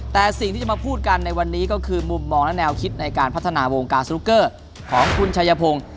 แต่สิ่งที่จะมาพูดกันในวันนี้ก็คือมุมมองและแนวคิดในการพัฒนาวงการสนุกเกอร์ของคุณชายพงศ์